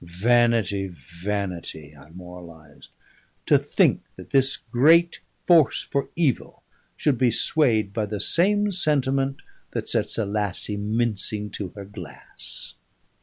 "Vanity, vanity!" I moralised. "To think that this great force for evil should be swayed by the same sentiment that sets a lassie mincing to her glass!"